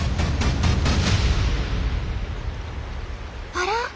あら？